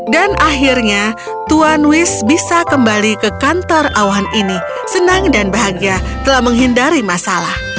akhirnya tuan wish bisa kembali ke kantor awan ini senang dan bahagia telah menghindari masalah